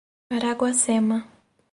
Araguacema